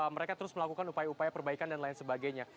mereka terus melakukan upaya upaya perbaikan dan lain sebagainya